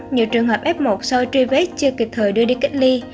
nhiều trường hợp f một sau truy vết chưa kịp thời đưa đi cách ly